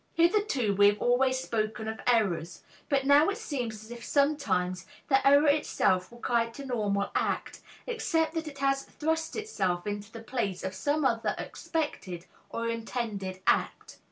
Hitherto we have always spoken of errors, but now it seems as if sometimes the error itself were quite a normal act, except that it has thrust itself into the place of some other expected or intended act.